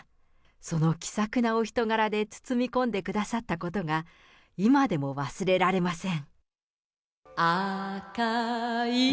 その気さくなお人柄で包み込んでくださったことが今でも忘れられません。